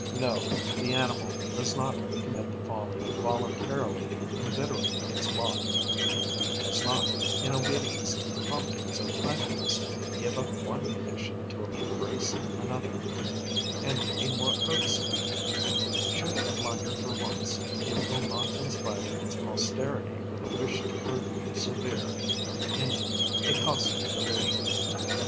No, the animal does not commit the folly of voluntarily embittering its lot; it does not, in obedience to the promptings of idleness, give up one condition to embrace another and a more irksome; should it blunder for once, it will not inspire its posterity with a wish to persevere in a costly delusion.